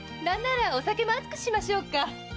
お酒も熱くしましょうか？